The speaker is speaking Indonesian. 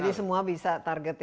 jadi semua bisa target